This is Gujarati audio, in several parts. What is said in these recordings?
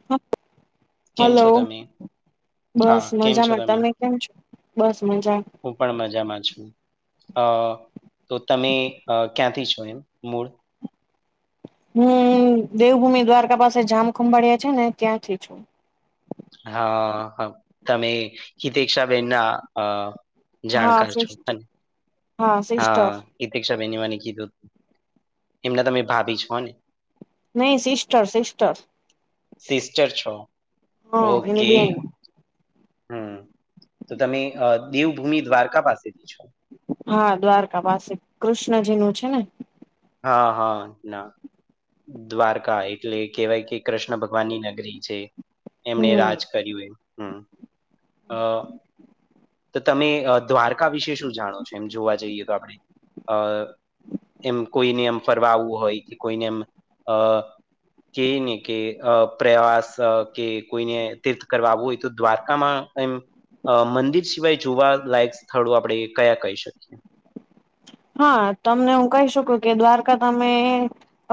[unintelligible] કેમ હલો, છો તમે? બસ હા, કેમ છો મજામાં તમે કેમ છો? બસ મજા. હું પણ મજામાં છું. અ તો તમે ક્યાંથી છો? એમ મૂળ. હમ દેવભૂમિ દ્વારકા પાસે જામ ખંભાળિયા છે ને, ત્યાંથી છું. હા, હ તમે હિતષાબેન ના અ હા જાણકાર છો સિસ્ટર અને હા સિસ્ટર હા, ઈતિક્ષા બેને મને કીધું હતું, એમને તમે ભાભી છો ને. નહી સિસ્ટર સિસ્ટર. સિસ્ટર છો, હા એની ઓકે. બેન હમ, તો તમે દેવભૂમિ દ્વારકા પાસેથી છો? હા, દ્વારકા પાસે કૃષ્ણજી નું છે ને. હા, હા, ના. દ્વારકા એટલે કેહેવાય કે કૃષ્ણ ભગવાનની નગરી છે. એમણે હમ. રાજ કર્યું એ હમ અ તો તમે દ્વારકા વિશે શું જાણો છો? એમ જોવા જઈએ તો આપણે. અ એમ કોઈને એમ ફરવાવું હોય કે, કોઈને એમ અ કે ને કે, પ્રવાસ કે, કોઈને તીર્થ કરવાવું હોય, તો દ્વારકામાં એમ મંદિર સિવાય જોવા લયક સ્થળો આપણેે કયા કહી શકીએ? હા, તમને હું કહી શકું કે દ્વારકા તમે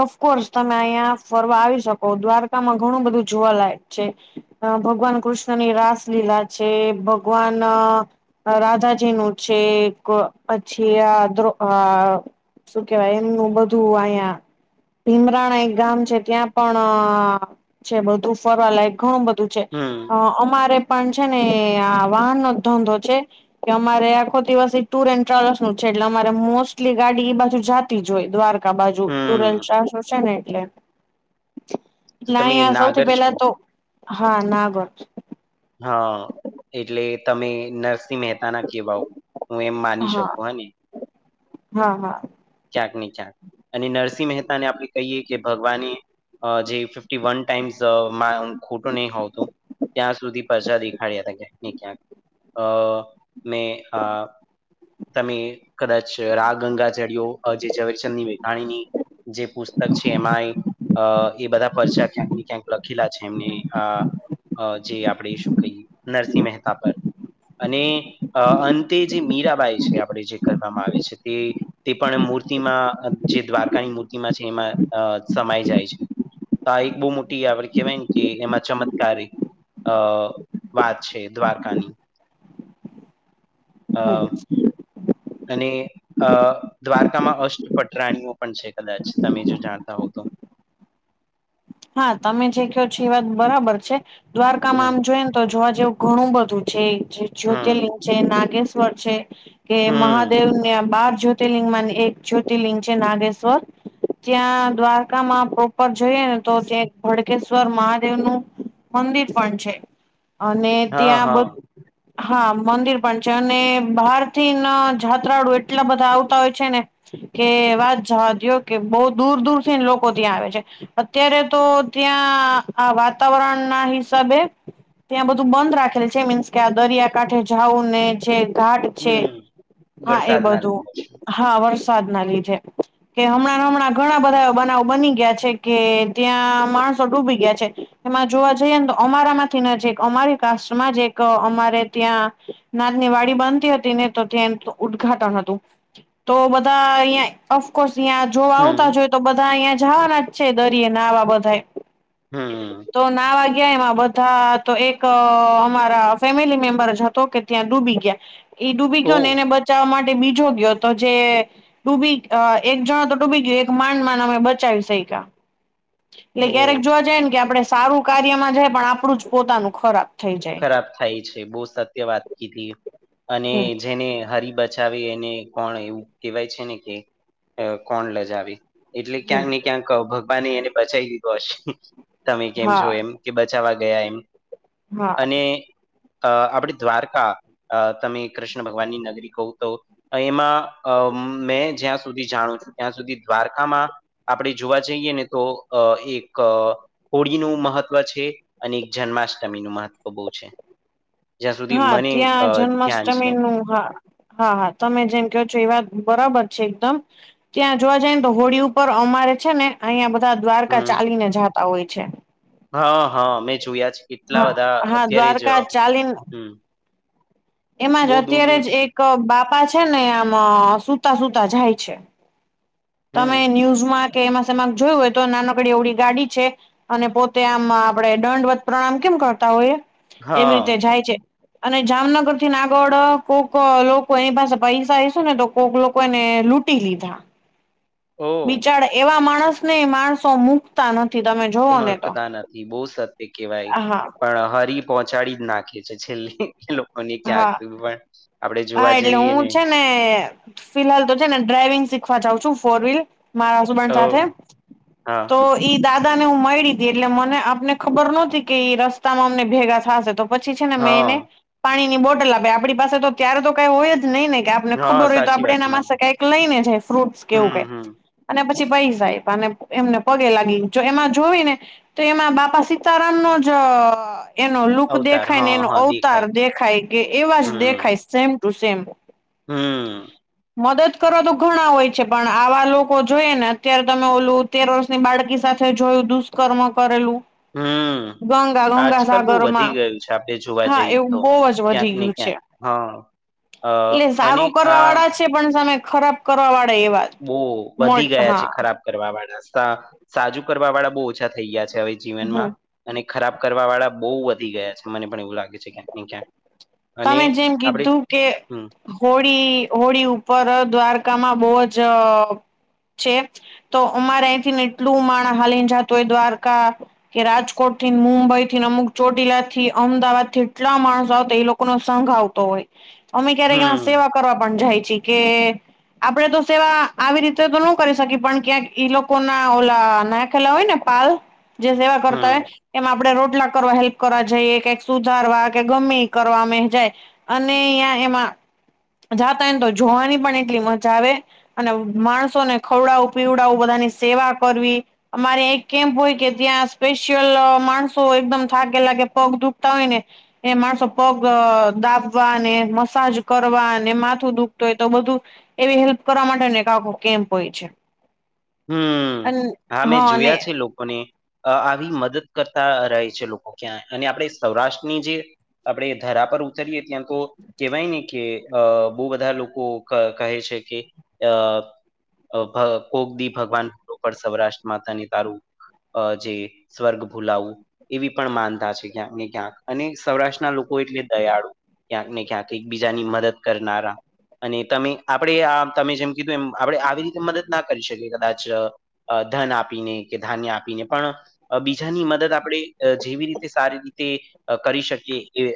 ઓફકોર્સ તમે અહિયાં ફરવા આવી શકો, દ્વારકામાં ઘણું બધું જોવાલાયક છે. અ ભગવાન કૃષ્ણની રાસ લીલા છે, ભગવાન રાધાજી નું છે પછી આો હ, શું કેવાય? એમનું બધું અહંયા ભીમરાણા એક ગામ છે, ત્યાં પણ છે, બધું ફરવા લાયયક ઘણું બધું. હમ અમારે પણ છે ને, આ વાહન નો ધંધો છે. કે અમારે આખો દિવ ટુર એન્ડ ટ્રાવેલ્સનું છે, એટલે અમારે મોસ્ટલી ગાડી એબાજુ જતીજ હોય, દ્વારકા. બાજુ ટુરલ હમ ચસું છે ને, એટલે. તો એટલે તમે અહીં સૌથી નાગર છો પેલાતો હા, નાગર. હા, એટલે તમે નરસિંહ મહેતાના કેહેવાઓ. હું એમ માની હા શકું હાને. હા હા. ચાકની ચાક, અને નરસિંહ મહેતાને આપણે કહીએ કે ભગવાને. જે ફિફ્ટી વન ટાઈમ્સ ખોટું નહ હોતું. ત્યાં સુધી પ્રજા દેખાડ્યા હતા ક્યાંક ને ક્યાંક, અમેં આ તમે કદાચરા ગંગા જડયો જે જઝવેરચંદની વેઘાણીની. જે પુસ્તક છે એમાંય અ એ બધા પરર્ચા ક્યાંક ને ક્યાંક લખેલા છે એમની અ જે આપણે શું કહીએ નરસિંહ મહેતા પર. અને, અંતે જે મીરાબાઈ છે આપણે જે કરવામાં આવે છે તે. તે પણ મૂર્તિમાં જે દ્વારકાની મૂર્તિમાં છે એમાં સમાઈ જાય છે. તો એક બહુ મોટી આપડ કેવાય ને કે એમાં ચમત્કાર. અ વાત છે દ્વારકાની. અ હમ અને અ દ્વારકામાં અષ્ટપટરાણીઓ પણ છે કદાચ તમે જો જાણતા હોવ તો. હા તમે જે કયો છો એ વાત બરાબર છે, દ્વારકામાં હમ આમ જોઈ નેતો જોવા જેવું ઘણું બધું છે હમ જ્યોતિર્લિંગ છે નાગેશ્વર છે. કે હમ મહાદેવને બાર જ્યોતિર્લિંગમાં એક જ્યોતિર્લિંગ છે નાગેશ્વર. ત્યાં દ્વારકામાં પ્રોપરે જોઈએ ને. તો ત્યાં ભડકેશ્વર મહાદેવનું, મંદિર પણ છે. અને હા ત્યાં બધ [inaudible] હા મંદિર પણ છે અને બહારથી ના જાત્રાળુ એટલા બધા આવતા હોય છે ને. કે વાત જવા દો કે બહુ દૂર દૂર થીને લોકો ત્યાં આવે છે. અત્યારે તો ત્યાં આ વાતાવરણના હિસાબે. ત્યાં બધું બંધ રાખેલ છે મીન્સ કે આ દરિયાકાાંઠે જઉું ને જે ઘાટ છે, હમ હા એ વરસાદના બધું. લીધે છે. હા વરસાદના લીધે કે હમણાં હમણાં ઘણા બધા એ બનાવ બની ગયા છે કે ત્યાં માણસો ડૂબી ગયા છે, એમાં જોવા જઈએ ને તો અમારામાંથી ને જે અમારી કાસ્ટમાંજ એક અમારે ત્યાં, નાદની વાડી બનતી હતી ને તો ત્યાં એ ઉદ્ઘાટન હતું. તો બધા અહિયાં ઓફકોર્સ અિયાં જો આવતા હમ જોઈએ તો બધા અહંયા જવાનાજ છે દરિયે નાવા બધા. હમ તો ના વાગ્યા એમાં બધા તો એક અમારા ફેમિલી મેમ્બરજ હતો કે ત્યાં ડૂબી ગયા. એ ડૂબી ગયો ને એને ઓહ બચાવવા માટે બીજો ગયો તો જે ડૂબી એક જણતો ડૂબી ગયું એક માંન માંન અમે બચાવી સૈકા. એટલે ઓહ ક્યારેક જોવા જાય ને કે આપડે સારું કાર્યમાં જાય પણ આપડું જ પોતાનું ખરાબ થઈ જાય. ખરાબ થાય છે બહ સત્ય વાત કીધી, અને હમ જેને હરબ કોણ એવું કેવાય છેને કે, કોણ લજાવી એટલે હમ ક્યાંક ક્યાં ભગવાને એને બચાવી દીધો હશે, તમે કેમ છો હા એમ કે બચાવવા ગયા એમ. હા અને આપડી દ્વારકા તમે કૃષ્ણ ભગવાનની નગરી કહતો એમાં અ મેં જ્યાં સુધી જાણું છું ત્યાં સુધી દ્વારકામાં. આપણે જોવા જઈએ નેતો એક હોળીનું મહત્વ છે, અને જન્માષ્ટમીનું મહત્વ બહુ છે. જ્યાં સુધી હા મને અ ત્યાં ધ્યાન છે. જન્માષ્ટમીનું હા. હા હા તમે જેમ કહો છો એ વાત બરાબર છે એકદમ. ત્યાં જોવા જાય ને તો હોળી ઉપર અમારે છે ને અહિયાં બધા દ્વારકા હમ, ચાલીને જાતા હોય છે. હા હા મેં જોયા છે કેટલા હા બધા હા અત્યારે જ દ્વારકા ચાલીન હમ. એમાં જ બહુ દૂર અત્યારે જ દૂરથી એક બાપા છે ને આમ સતા સુતા જાય છે. તમે હમ, ન્યુઝમાં કે એમાંમાં જોયું હોય તો નાનોકડી એવડી ગાડી છે. અને પોતે આમ આપડે દંડવત પ્રણામ કેમ કરતા હોઈએ, એવી રીતે હા, જાય છે. અને જામનગર થી ના આગળ કોક લોકો એની પાસે પૈસા હસ ને તો કોઈક લોકો એને લૂટ તે લીધા. [inaudible] ઓહ! બિચાર એવા માણસ ને માણસો મુકતા નથી તમે જોવો ને તો મકતા નથી બહુ સત્ય કેવાય, હા પણ હરી પહોંચાડી જ નાખે છે છેલ્લે. લોકોને ક્યાંક હા પણ, આપડે હા જોવા એટલે જઈએ હું ને. છે ફિલહાલ તો છે ને ડ્રાઈવિંગ શીખવા જઉ છું ફોર વ્હીલ, મારા સાથે, ઓહ! હા, તો ઈ દાદા ને હું મળડી હતી એટલે મને આપને ખબર નહોતી કે ઈ રસ્તામાં અમને ભેગા થશે તો પછી છે ને મેં એને, હા, પાણી ની બોટલ આપે આપણી પાસે તો ત્યારે તો કઈ હોય જ નહી ને કે આપને હા, ખબર હોય તો સાચી આપડે વાત એના ના. માસે કઈક લઈને જાય ફ્રૂટસ કેવું હમ, કઈક. હમ, અને પછી ભાઈ સાહેબ અને એમને પગે લાગી એમાં જોઈ ને. તો એમાં બાપા સીતારામ નો જ એનો લુક અવતાર, દેખાય ને હા, એનો હા, દેખાય. અવતાર દેખ કે એવા જ હમ, દેખાય સેમ ટુ સેમ. હમ. મદદ કરવા તો ઘણા હોય છે પણ આવા લોકો જોઈએ ને અત્યારે તમે ઓલું તેર વર્ષ ની બાળકી સાથે જોયું દુષ્કર્મ કરેલું. હમ, ગંગા આજકાલ બહુ વધી ગંગાસાગરમાં ગયું છે આપણે જોવા હા જઈએ એવું તો. બહુ જ ક્યાંક વધી નને ગયું છે. ક્યાંક, હા, અ એટલે અને સારું કરવા આ વાળા પણ સામે ખરાબ કરવા વાળે એ વાત બહુ વધી ગયા છે ખરાબ કરવા વાળા, સાજું કરવા વાળા બહુ ઓછા થઈ ગયા છે હવે. હમ જીવનમાં, અને ખરાબ કરવા વાળા બહુ વધી ગયા છે મને પણ એવું લાગે છે ક્યાંક ને ક્યાંક. અને તમે જેમ આપણે કીધું કે હમ હોળી હોળી ઉપર દ્વારકામાં બહુ જ છે. તો અમારે અહીંથી ને એટલું માણ હાલીને જતું હોય દ્વારકા. કે રાજકોટ થી મુંબઈ થીને અમુક ચોટીલા થી અમદાવાદ થી એટલા માણસ આવતા એ લોકો ન સંઘ આવતો હોય, અમે ક્યારેક એમાં હમ સેવા કરવા પણ જાય છી કે આપડે તો સેવા આવી રીતે તો ન કરી શકીએ પણ ક્યાંક ઈ લોકો ના ઓલા નાખેલા હોય ને. પાલ. જે સેવા કરતા હમ હોય, એમાં આપડે રોટલા કરવા હેલ્પ કરવા જઈએ કક સુધારવા કે ગમે કરવા મે જાય, અને અહં એમાં જાતાયને તો જોવાની પણ એટલી મજા આવે. અને માણસો ને ખવડાવું પીવડાવું બધાની સેવા કરવી. અમારે એક કેમ્પ હોય કે ત્યાં સ્પેશિયલ માણસો એકદમ થાાગ લાગે પગ દુખતા હોય ને. એ માર સ પગ દાબવા અનેને મસાજ કરવા અને માથું દુખતું હોય તો બધું. એવી હેલ્પ કરવા માટે એકખ કેમ્પ હોય છે. હમ, અને હા મેં અને જોયા છે લોકોને. આવી મદદ કરતા રહે છે લોકો ક્યાં અને આપણે સૌરાષ્ટ્રની જે આપડણે ધરા પર ઉતરીએ ત્યાં તો કેહેવાય ને કે અ બહુ બધા લોકો કહે છે કે, અ કોકદીપ ભગવાન ઉપ સૌરાષ્ટ્ર માતા ને તારું જે સ્વર્ગ ભૂલાવું. એવી પણ માનતા છે ક્યાંક ને ક્યાંક અને સૌરાષ્ટ્રના લોકો એટલે દયાળુ. ક્યાંક ને ક્યાંક એકબીજાની મદદ કરનારા. અને તમે આપણેે આ તમે જેમ કીધું એમ આપણે આવી રીતે મદદ ના કરી શકીએ કદાચ અ ધન આપીને કે ધાન્ય આપીને પણ બીજાની મદદ આપણે જેવી રીતે સારી રીતે કરી શકીએ એ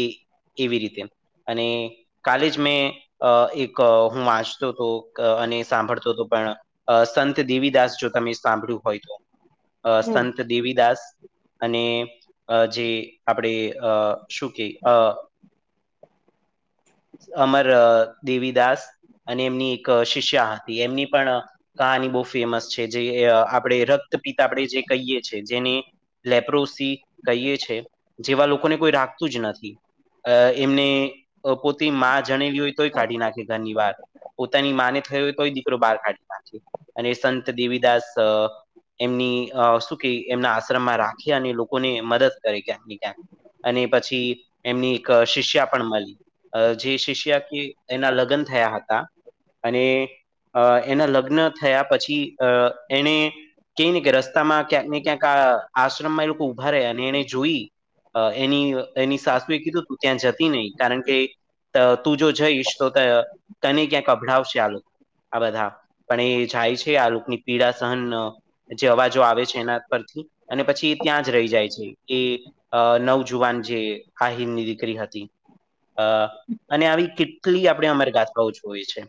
એ એવી રીતે, અને કાલે જ મેં એક હું વાંચતો હતો અને સાંભળતો હતો પણ અ સંત દેવીદાસ જો તમે સાંભળ્યું હોય તો, હમ સંત દેવીદાસ અને જે આપણે અ શું કે [inaudible] અમર દેવીદાસ અને એમની એક શિષ્યા હતી એમની પણ કાની બહુ ફેમસ છે જે આપણે રક્તપત આપણે જે કહીએ છીએ જેને. લેપ્રોસી કહીએ છે જેવા લોકોને કોઈ રાખતું જ નથી. અ એમને પોતે માં જણેવી હોય તોય કાઢી નાખે ઘરની વાર. પોતાની માને થયો હોય તોય દીકરો બહાર કાઢી નાખે, અને સંત દેવીદાસ. એમની શું કે એમના આશ્રમમાં રાખે અને લોકોને મદદ કરે ક્યાંક ને ક્યાંક. અને પછી એમની એક શિષ્યા પણ મળી. જે શિષ્યા કે એના લગ્ન થયા હતા. અને અ એના લગ્ન થયા પછી અ એને ક ને કે રસ્તામાં ક્યાંક ને ક્યાંક આ આશ્રમમાં એ લોકો ઉભા રહે અને એને જોઈ. એની એની સાસુએ કીધું તું ત્યાં જતી નહીં કારણ કે તો તું જો જઈશ તો કને ક્યાંક અભડાવશે આ લોકો આ બધા, પણ એ જાય છે આ રકની પીડા સહન જે અવાજો આવે છે એના પરથી અને પછી એ ત્યાં જ રહી જાય છે, કે અ નવજુવાન જે હાહિનની દીકરી હતી. અ અને આવી કેટલી આપણે અમારે ગાથાઓ જોએ છે.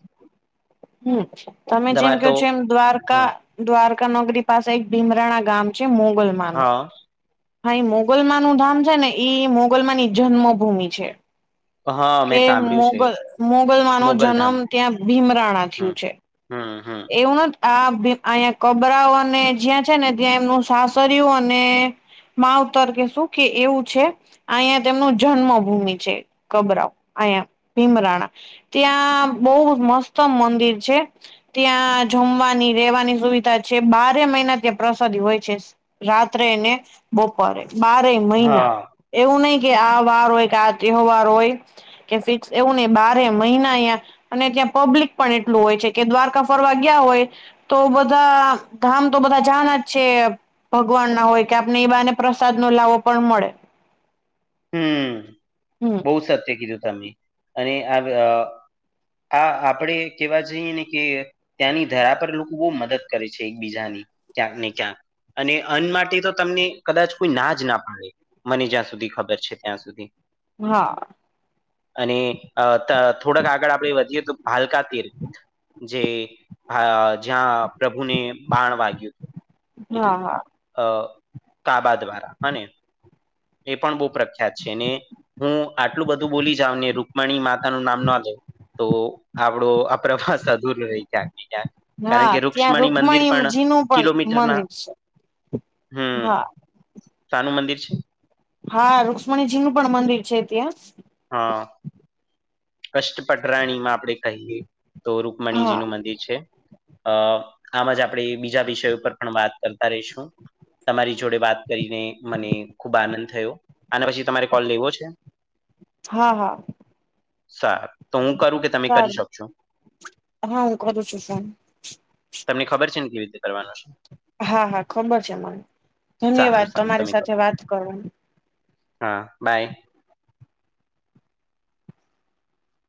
હમ તમે જેમ તમારે કહો તો છો એમ હ દ્વારકા દ્વારકા નગરી પાસે એક ભીમરાણા ગામ છે મોગલ માનું હા. હા એ મોગલમા નું ધામ છે ને ઈ મોગલમાની જન્મભૂમિ છે. હા મેં કે સાંભળ્યું છે મોગલ મોગલમાં નો જન્મ મોગલધામ ત્યાં ભીમરાણા હમ થયું છે. હમ હમ. એવુંના આ અહીં કબરાઓ અને જ્યાં છે ને ત્યાં એમનું સાસરું અને માવતર કે શું કે એવું છે, અહંયા તેમનું જન્મભૂમિ છે કબરાવ. અહંયા ભીમરાણા, ત્યાં બહ મસ્ત મંદિર છે. ત્યાં જમવાની રેવાની સુવિધા છે બારે મહિના ત્યાં પ્રસાદી હોય છે. રાત્રે એને બપોરે. બારે મહિના, હા એવું નહિ કે આ વાર હોય કે તહેવારો હોય. કે ફિક્સ એવું નહ બારે મહિના અં અને ત્યાં પબ્લિક પણ એટલું હોય છે કે દ્વારકા ફરવા ગયા હોય. તો બધા ગામ તો બધા જાન જ છે. ભગવાન ના હોય કે આપને એ બને પ્રસાદ નો લાવો પણ મળે. હમ, હમ બહુ સત્ય કીધું તમે, અને આ હા આપડે કેવા જઈએ ને કે ત્યાંની ધરા પર લોકો બહુ મદદ કરે છે એકબીજાની, ક્યાંક ને ક્યાંક. અને અન્ન માટે તો તમને કદાચ કોઈ ના જ ના પાડે મને જ્યાં સુધી ખબર છે. છે ત્યાં સુધી. હા. અને અ થોડાક આગળ આપણેે વધીએ તો ભાલકા તીર. જે, આ જ્યાં પ્રભુને બાણ વાગ્યું. એટલે હા હા કાબા દ્વારા, અને એ પણ બહુ પ્રખ્યાત છે ને. હું આટલું બધું બોલી જાઉને રૂકમણી માતા નું નામ ના જાય. તો આપડો આ પ્ર્રવાસ અધૂર રહી જ્યાં. કારણ હા કે ત્યાં રુક્ષ્મણી મંદિર પણ રુકમણીજી નું પણ કિલોમીટરના મંદિર છે હમ. હા શનું મંદિર છે. હા રુક્ષ્મણીજી નું પણ મંદિર છે ત્યાં. હા. કષ્ટપટરાણી માં આપડે કહીએ તો હા રૂકમણીજી નું મંદિર છે. અ આમ જ આપણે બીજા વિષયો ઉપર પણ વાત કરતા રહીશું. તમારી જોડે વાત કરીને મને ખુબ આનંદ થયો, અને પછી તમારે કોલ લેવો છે? હા હા. સારુ. તો હું કરું કે તમે કરી સારું શકશો? હા હું કરું છું ફોન તમને ખબર છે ને કેવી રીતે કરવાનો છે? હા હા ખબર છે મને, સારું ધન્યવાદ સારું તમારી તમે કરો સાથે વાત કરવાની. હા બાય.